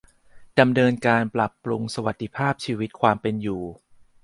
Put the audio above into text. ดำเนินการปรับปรุงสวัสดิภาพชีวิต ความเป็นอยู่